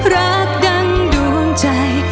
รักดังดวงใจ